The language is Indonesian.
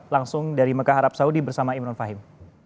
langsung dari mekah arab saudi bersama imron fahim